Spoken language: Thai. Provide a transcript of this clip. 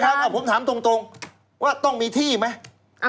ถูกไหมครับผมถามตรงว่าต้องมีที่ไหม